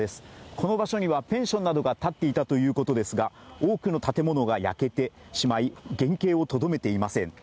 この場所にはペンションなどが建っていたということですが多くの建物が焼けてしまい原形をとどめていません。